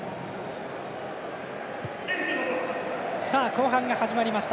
後半が始まりました。